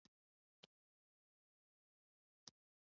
دا ژبه د زړونو ترمنځ خبرې کوي.